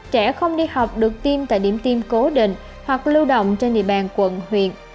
trẻ không đi học được tiêm tại điểm tiêm cố định hoặc lưu động trên địa bàn quận huyện